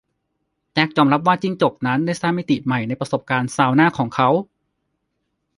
แจ็คยอมรับว่าจิ้งจกนั้นได้สร้างมิติใหม่ในประสบการณ์ซาวน่าของเขา